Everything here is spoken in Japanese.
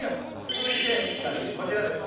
続いて写真こちらです。